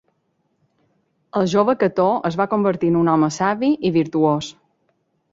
El jove Cató es va convertir en un home savi i virtuós.